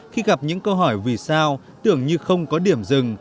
khi gặp những câu hỏi vì sao tưởng như không có điểm dừng